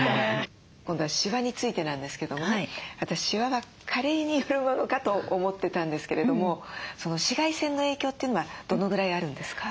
今度はシワについてなんですけどもね私シワは加齢によるものかと思ってたんですけれども紫外線の影響というのはどのぐらいあるんですか？